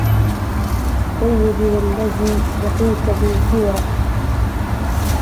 سيدي والذي يقيك ومن السوء